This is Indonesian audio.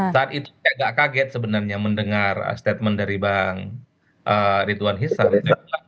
saat itu saya agak kaget sebenarnya mendengar statement dari bang ridwan hisap